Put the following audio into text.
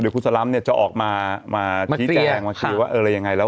เดี๋ยวคุณสอดลำเนี่ยจะออกมามาชี้แจงมาชี้ว่าอะไรยังไง